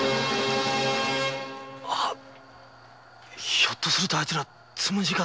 ひょっとするとあいつら「つむじ風」？